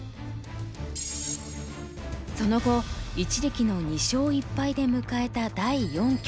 その後一力の２勝１敗で迎えた第四局。